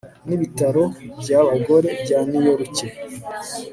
n'ibitaro by'abagore byaniyoruke